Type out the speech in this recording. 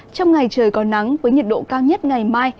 trong ngày trời có nắng với nhiệt độ cao nhất ngày mai